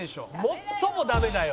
「最もダメだよ」